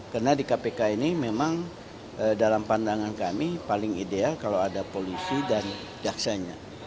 karena di kpk ini memang dalam pandangan kami paling ideal kalau ada polisi dan jaksanya